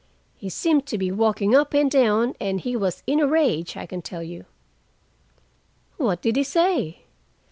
He seemed to be walking up and down, and he was in a rage, I can tell you." "What did he say?"